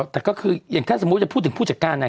แต่ก็คืออย่างถ้าชมพูดถึงผู้จัดการนะ